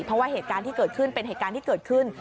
เพราะว่าเหตุการณ์ที่เกิดขึ้นเป็นเหตุการณ์ที่เกิดขึ้น